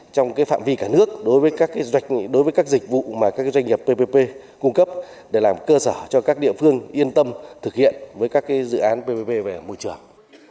trong phạm vi cả nước đối với các dịch vụ mà các doanh nghiệp ppp cung cấp để làm cơ sở cho các địa phương yên tâm thực hiện với các dự án ppp về môi trường